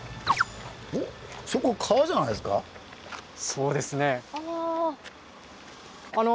そうですね。